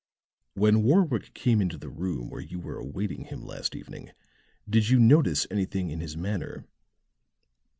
"When Warwick came into the room where we were awaiting him last evening, did you notice anything in his manner?"